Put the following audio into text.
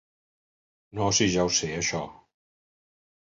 No si ja ho sé això!